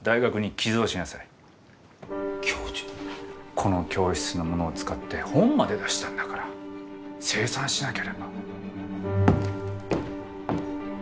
この教室のものを使って本まで出したんだから清算しなければ。